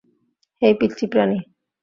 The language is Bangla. হেই, পিচ্চি প্রাণী।